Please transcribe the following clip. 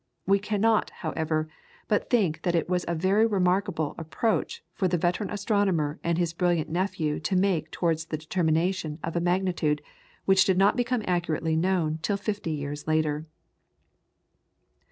We cannot, however, but think that it was a very remarkable approach for the veteran astronomer and his brilliant nephew to make towards the determination of a magnitude which did not become accurately known till fifty years later.